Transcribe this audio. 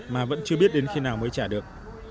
mà vẫn chưa biết đến khi nào mới trả được